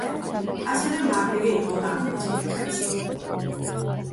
ასევე მარტივი იყო განქორწინებაც.